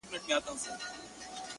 توروه سترگي ښايستې په خامـوشـۍ كي!